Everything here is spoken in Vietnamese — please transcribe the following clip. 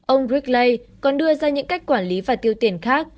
ông gregg lay còn đưa ra những cách quản lý và tiêu tiền khác